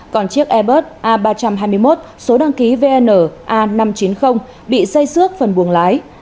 còn chiếc airbus a ba trăm hai mươi một số đăng ký vn a năm trăm chín mươi bị xây xước phần buồng lái